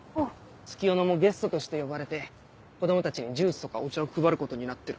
月夜野もゲストとして呼ばれて子供たちにジュースとかお茶を配ることになってる。